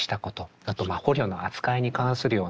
あと捕虜の扱いに関するようなこと。